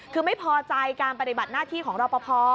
คือไม่พอใจการปฏิบัติหน้าที่ของรอปภ